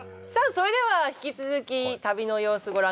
それでは引き続き旅の様子ご覧